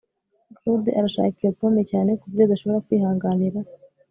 claude arashaka iyo pome cyane kuburyo adashobora kwihanganira